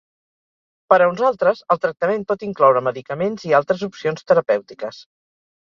Per a uns altres, el tractament pot incloure medicaments i altres opcions terapèutiques.